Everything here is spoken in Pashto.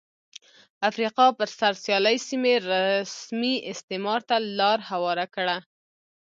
افریقا پر سر سیالۍ سیمې رسمي استعمار ته لار هواره کړه.